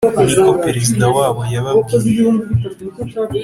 Niko perezida wabo yababwiye